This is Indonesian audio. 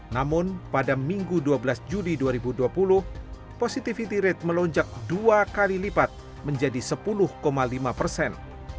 namun pada minggu dua belas juli dua ribu dua puluh positivity rate melonjak dua kali lipat menjadi sepuluh lima persen